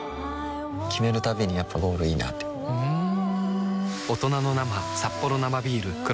決めるたびにやっぱゴールいいなってふん